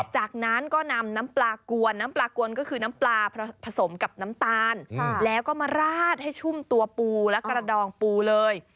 จากนั้นก็นำน้ำปลากวนน้ำปลากวนก็คือน้ำปลาผสมกับน้ำตาลแล้วก็มาราดให้ชุ่มตัวปูและกระดองปูเลย